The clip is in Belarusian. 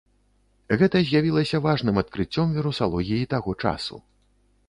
Гэта з'явілася важным адкрыццём вірусалогіі таго часу.